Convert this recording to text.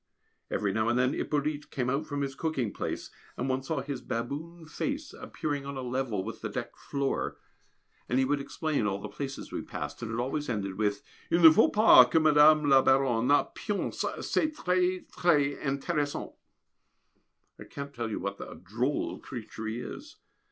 Every now and then Hippolyte came out from his cooking place, and one saw his baboon face appearing on a level with the deck floor, and he would explain all the places we passed, and it always ended with: "Il ne faut pas que Mme. La Baronne pionce c'est très très intéressant." I can't tell you what a drôle creature he is.